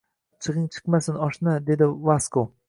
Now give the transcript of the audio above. Achchigʻing chiqmasin, oshna, – dedi Vasko.